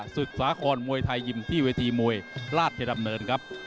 ศึกสาคอนมวยไทยยิมที่เวทีมวยราชฯธรรมเนิน